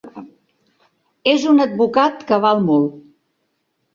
És un advocat que val molt.